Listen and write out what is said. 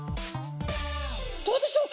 どうでしょうか？